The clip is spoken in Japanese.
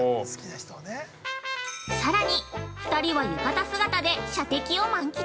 ◆さらに、２人は浴衣姿で射的を満喫。